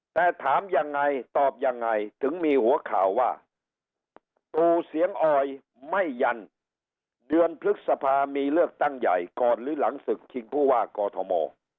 แต่ถามยังไงตอบยังไงถึงมีหัวข่าวว่าตู่เสียงออยไม่ยันเดือนพฤษภามีเลือกตั้งใหญ่ก่อนหรือหลังศึกชิงผู้ว่ากอทม